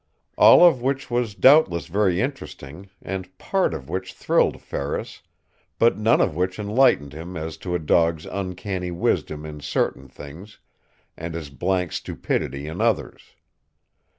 All of which was doubtless very interesting, and part of which thrilled Ferris, but none of which enlightened him as to a dog's uncanny wisdom in certain things and his blank stupidity in others.